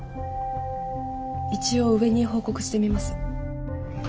一応上に報告してみます。